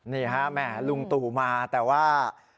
นี่ครับลุงตู่มาแต่ว่า